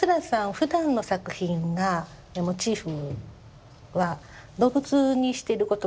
ふだんの作品がモチーフは動物にしてることが多いんですね。